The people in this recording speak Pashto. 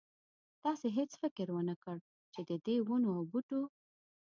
تاسې هېڅ فکر ونه کړ چې ددې ونو او بوټو.